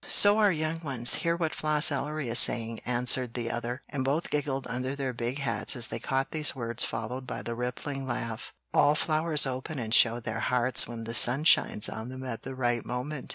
"So are young ones; hear what Floss Ellery is saying," answered the other; and both giggled under their big hats as they caught these words followed by the rippling laugh, "All flowers open and show their hearts when the sun shines on them at the right moment."